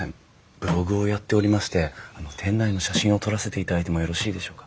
ブログをやっておりまして店内の写真を撮らせていただいてもよろしいでしょうか？